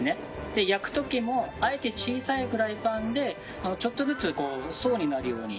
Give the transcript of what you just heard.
で焼く時もあえて小さいフライパンでちょっとずつ層になるように。